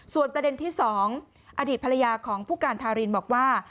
ส่วนประเด็นที่๒อดีตภรรยาของผู้การทารินบอกว่า